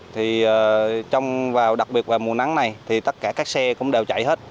thì trong đặc biệt vào mùa nắng này thì tất cả các xe cũng đều chạy hết